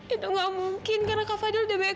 itu gak mungkin karena kak fadil udah banyak